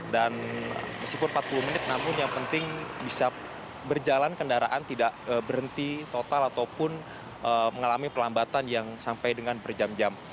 dan meskipun empat puluh menit namun yang penting bisa berjalan kendaraan tidak berhenti total ataupun mengalami pelambatan yang sampai dengan berjam jam